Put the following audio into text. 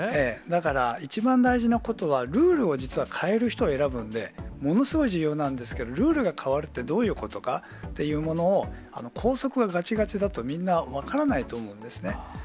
だから、一番大事なことは、ルールを、実は変える人を選ぶんで、ものすごい重要なんですけど、ルールが変わるってどういうことかっていうものを、こうそくががちがちだと、みんな分からないと思うんですね。